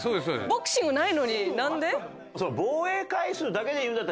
ボクシングないのになんで？